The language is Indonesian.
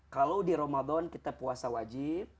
kalau di ramadan kita puasa wajib